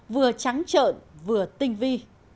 vừa trắng trợn vừa tinh vi